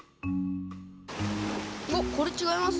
おっこれちがいます？